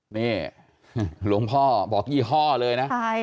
นี่หลวงพ่อบอกยี่ห้อเลยนะ